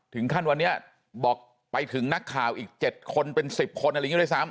ขั้นวันนี้บอกไปถึงนักข่าวอีก๗คนเป็น๑๐คนอะไรอย่างนี้ด้วยซ้ำ